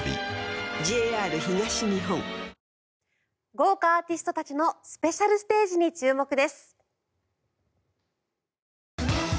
豪華アーティストたちのスペシャルステージに注目です。